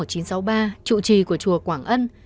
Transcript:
trụ trì của chùa quảng ân